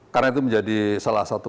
karena itu menjadi salah satu